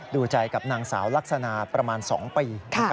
ดูใจกับนางสาวลักษณะประมาณ๒ปี